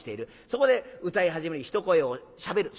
そこで歌い始めに一声をしゃべる。